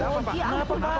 ya ampun ya ampun